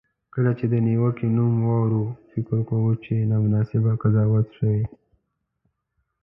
کله چې د نیوکې نوم واورو، فکر کوو چې نامناسبه قضاوت شوی.